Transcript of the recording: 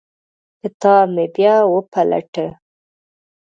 کتاب مې بیا وپلټه.